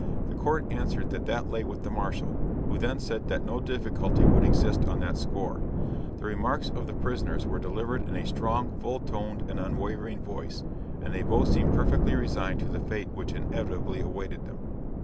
The Court answered that that lay with the Marshal, who then said that no difficulty would exist on that score. The remarks of the Prisoners were delivered in a strong, full toned and unwavering voice, and they both seemed perfectly resigned to the fate which inevitably awaited them.